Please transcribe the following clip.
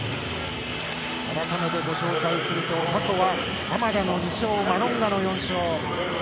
改めてご紹介すると過去は濱田の２勝マロンガの４勝。